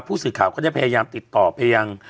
ผู้สื่อข่าวก็ได้พยายามติดต่อไปยัง